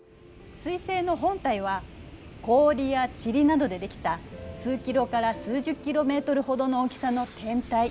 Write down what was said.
彗星の本体は氷や塵などでできた数キロから数十キロメートルほどの大きさの天体。